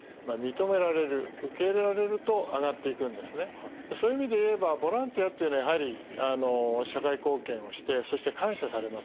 あのこのそういう意味で言えばボランティアというのはやはり社会貢献をしてそして感謝されますね。